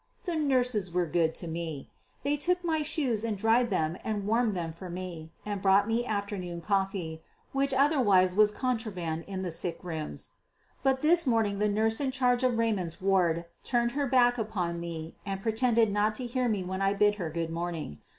The nurses were good to me. They took off my shoes and dried and warmed them for me, and some brought me afternoon coffee, which otherwise was contraband in the sick rooms. But this morning the nurse in charge of Raymond's ward turned her back upon me and pretended not to hear me when I bid her good morning.